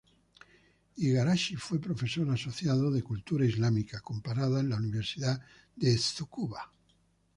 Igarashi fue profesor asociado de cultura islámica comparada en la Universidad de Tsukuba.